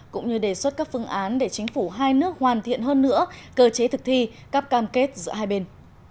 cũng như đề xuất các phương án để chính phủ hai nước hoàn thiện hơn nữa cơ chế thực thi các cam kết giữa hai bên